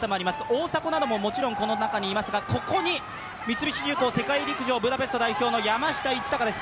大迫の姿ももちろんありますが、ここに三菱重工、世界陸上ブダペスト代表の山下一貴です。